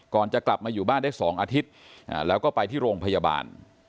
จะกลับมาอยู่บ้านได้๒อาทิตย์แล้วก็ไปที่โรงพยาบาล